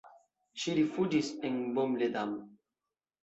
Ŝi rifuĝis en Baume-les-Dames.